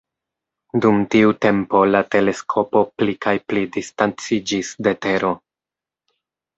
Dum tiu tempo la teleskopo pli kaj pli distanciĝis de Tero.